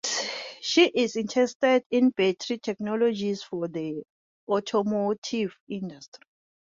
She is interested in battery technologies for the automotive industry.